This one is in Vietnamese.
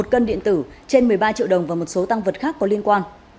một cân điện tử trên một mươi ba triệu đồng và một số tăng vật khác có liên quan